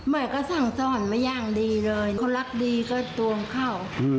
หมายถึงเขาสั่งซ่อนมาย่างดีเลยคนรักดีก็ตวงเข้า